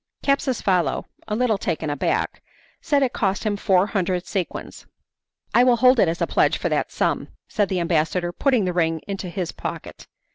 Capsucefalo, a little taken aback, said it cost him four hundred sequins. "I will hold it as a pledge for that sum," said the ambassador, putting the ring into his pocket.